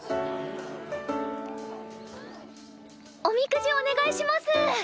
おみくじお願いします！